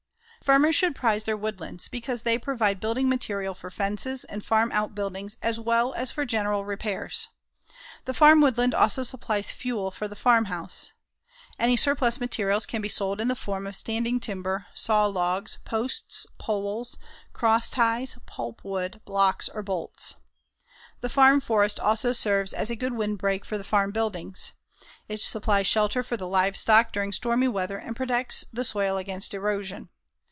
Farmers should prize their woodlands because they provide building material for fences and farm outbuildings as well as for general repairs. The farm woodland also supplies fuel for the farm house. Any surplus materials can be sold in the form of standing timber, sawlogs, posts, poles, crossties, pulpwood, blocks or bolts. The farm forest also serves as a good windbreak for the farm buildings. It supplies shelter for the livestock during stormy weather and protects the soil against erosion.